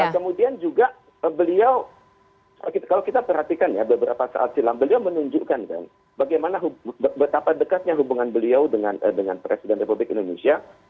kemudian juga beliau kalau kita perhatikan beberapa saat silam beliau menunjukkan bagaimana betapa dekatnya hubungan beliau dengan islam